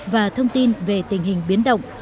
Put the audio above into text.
và thông tin về tình hình biến động